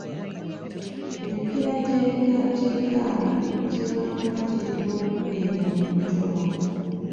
Emipiira gy’eggaali gibanga girina okubeera n'enjola.